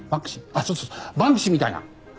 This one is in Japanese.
そうそうバンクシーみたいな。